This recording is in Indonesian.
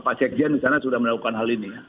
pak cek jien disana sudah melakukan hal ini ya